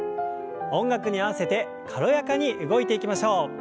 音楽に合わせて軽やかに動いていきましょう。